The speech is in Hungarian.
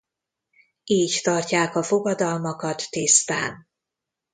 Így tartják a fogadalmakat tisztán.